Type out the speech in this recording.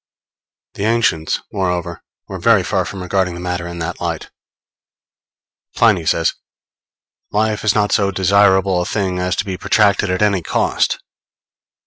The ancients, moreover, were very far from regarding the matter in that light. Pliny says: _Life is not so desirable a thing as to be protracted at any cost.